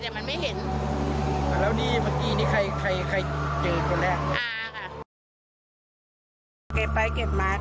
แต่มันไม่เห็นแล้วนี่เมื่อกี้นี่ใครใครใครเจอคนแรกอ่าค่ะ